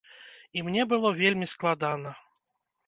І мне было вельмі складана.